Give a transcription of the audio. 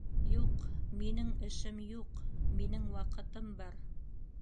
Юҡ, минең эшем юҡ. Минең ваҡытым бар.